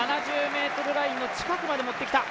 ７０ｍラインの近くまで持ってきた。